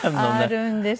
あるんです。